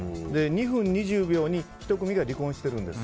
２分２０秒に１組が離婚しているんです。